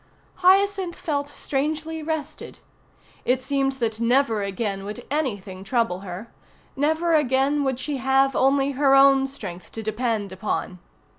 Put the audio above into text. Hyacinth felt strangely rested. It seemed that never again would anything trouble her; never again would she have only her own strength to depend upon.